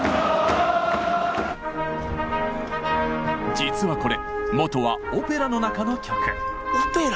実はこれ元はオペラの中の曲。